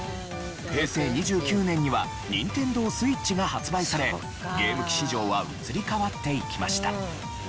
平成２９年にはＮｉｎｔｅｎｄｏＳｗｉｔｃｈが発売されゲーム機市場は移り変わっていきました。